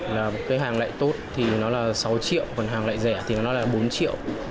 là cái hàng lại tốt thì nó là sáu triệu còn hàng lại rẻ thì nó là bốn triệu